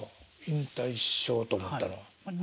引退しようと思ったのは。